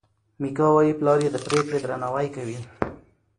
میکا وايي پلار یې د پرېکړې درناوی کوي.